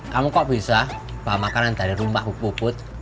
kamu kok bisa pak makanan dari rumah bupuput